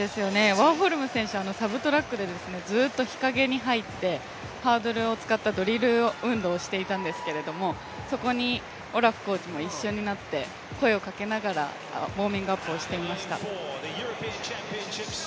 ワーホルム選手、サブトラックでずーっと日陰に入ってハードルを使ったドリル運動をしてたんですけどそこにオラフコーチも一緒になって声をかけながらウォーミングアップしていました。